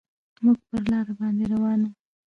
موږ پر لاره باندې روان وو.